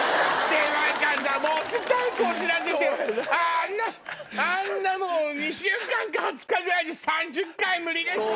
あんなあんな２週間か２０日ぐらいで３０回無理ですって！